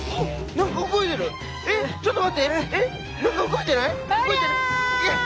何か動いてない？